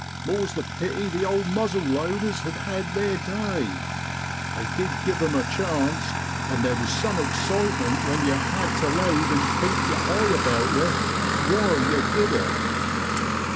More's the pity the old muzzle loaders hev had theer day : they did give 'em a chance, and theer was some excitement when yow had to load an' keep yer eye about yow while yer did it.